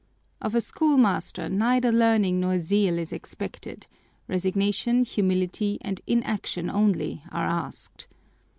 Of a schoolmaster neither learning nor zeal is expected; resignation, humility, and inaction only are asked.